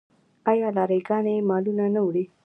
آیا لاری ګانې مالونه نه وړي؟